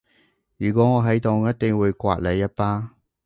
如果我喺度我一定會摑你一巴